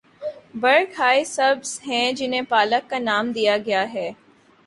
برگ ہائے سبز ہیں جنہیں پالک کا نام دے دیا گیا ہے۔